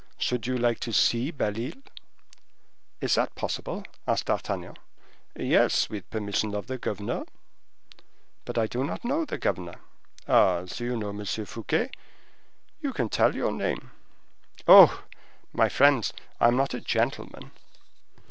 Should you like to see Belle Isle?" "Is that possible?" asked D'Artagnan. "Yes, with permission of the governor." "But I do not know the governor." "As you know M. Fouquet, you can tell your name." "Oh, my friends, I am not a gentleman."